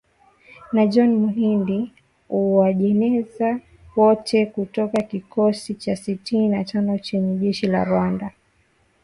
Na John Muhindi Uwajeneza, wote kutoka kikosi cha sitini na tano cha jeshi la Rwanda.